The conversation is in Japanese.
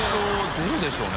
拆出るでしょうね